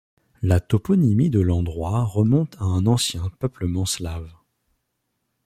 La toponymie de l'endroit remonte à un ancien peuplement slave.